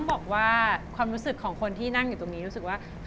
พาไปที่ไหนที่แรก